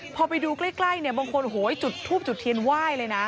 พอไปดูใกล้บางคนจุดทูบจุดเทียนไหว้เลยนะ